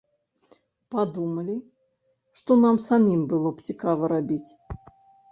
Падумалі, што нам самім было б цікава рабіць.